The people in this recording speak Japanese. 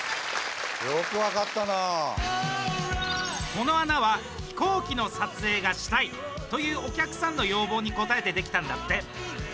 この穴は飛行機の撮影がしたいというお客さんの要望に応えてできたんだって。